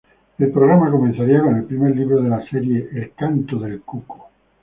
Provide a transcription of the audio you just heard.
El programa comenzaría con el primer libro de la serie, "El canto del cuco".